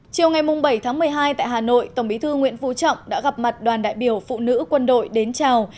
chiều ngày bảy tháng một mươi hai tại hà nội tổng bí thư nguyễn phú trọng đã gặp mặt đoàn đại biểu phụ nữ quân đội đến chào